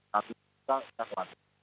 tapi kita sudah selesai